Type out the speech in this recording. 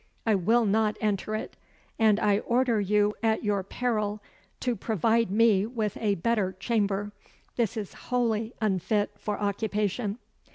I will not enter it; and I order you, at your peril, to provide me with a better chamber. This is wholly unfit for occupation."